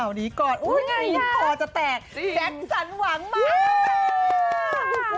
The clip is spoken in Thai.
วันนี้กอดโอ้ยก่อนจะแตกแจ็คซันหวังมากปย์